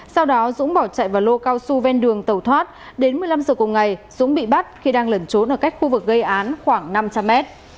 sau đó dũng bỏ chạy vào lô cao su ven đường tàu thoát đến một mươi năm giờ cùng ngày dũng bị bắt khi đang lẩn trốn ở cách khu vực gây án khoảng năm trăm linh mét